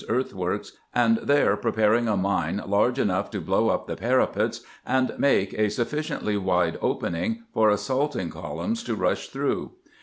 earthworks, and there preparing a mine large enough to blow up the parapets and make a sufficiently wide open ing for assaulting columns to rush through.